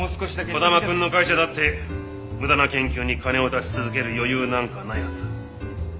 児玉くんの会社だって無駄な研究に金を出し続ける余裕なんかないはずだ。